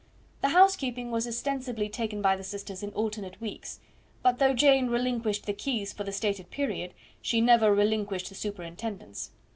The housekeeping was ostensibly taken by the sisters in alternate weeks; but though Jane relinquished the keys for the stated period, she never relinquished the superintendence.